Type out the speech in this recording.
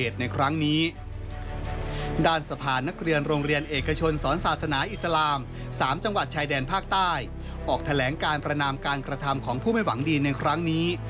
แถลงการประนามการกระทำของผู้ไม่หวังดีในครั้งนี้